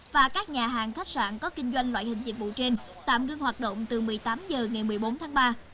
và các nhà hàng khách sạn có kinh doanh loại hình dịch vụ trên tạm ngưng hoạt động từ một mươi tám h ngày một mươi bốn tháng ba